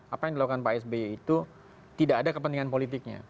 apa yang dilakukan pak sby itu tidak ada kepentingan politiknya